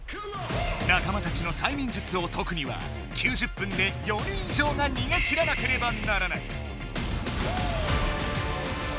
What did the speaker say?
仲間たちのさいみん術を解くには９０分で４人以上が逃げ切らなければならない。